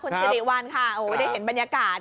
คุณสิริวัลค่ะได้เห็นบรรยากาศ